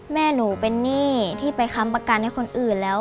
แม่หนูเป็นหนี้ที่ไปค้ำประกันให้คนอื่นแล้ว